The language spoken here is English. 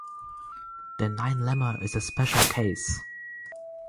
The nine lemma is a special case.